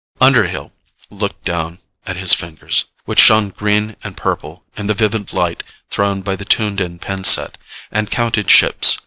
Underhill looked down at his fingers, which shone green and purple in the vivid light thrown by the tuned in pin set, and counted ships.